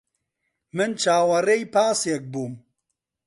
من چاوەڕێی پاسێک بووم.